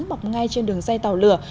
bọc ngay trên đường dây tàu lửa